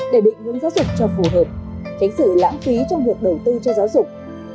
để định hướng giáo dục cho phù hợp tránh sự lãng phí trong việc đầu tư cho giáo dục